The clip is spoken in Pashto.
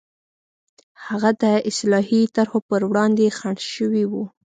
هغه د اصلاحي طرحو پر وړاندې خنډ شوي وو.